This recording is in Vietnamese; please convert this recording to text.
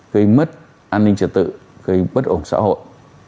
gây mất an ninh trật tự gây bất ổn xã hội